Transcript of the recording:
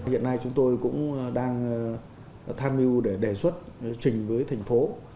hiện nay chúng tôi cũng đang tham mưu để đề xuất trình với thành phố